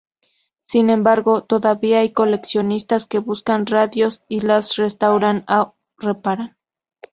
Sin embargo, todavía hay coleccionistas que buscan radios y las restauran o reparan.